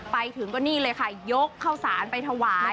ไปถึงก็นี่เลยค่ะยกข้าวสารไปถวาย